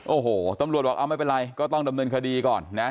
โอ้โหตำรวจบอกเอาไม่เป็นไรก็ต้องดำเนินคดีก่อนนะ